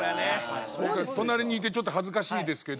隣にいてちょっと恥ずかしいですけど。